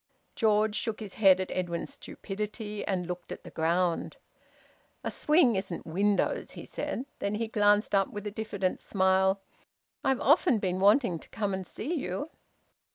George shook his head at Edwin's stupidity, and looked at the ground. "A swing isn't windows," he said. Then he glanced up with a diffident smile: "I've often been wanting to come and see you."